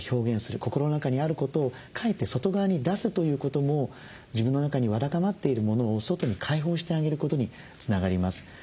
心の中にあることを書いて外側に出すということも自分の中にわだかまっているものを外に解放してあげることにつながります。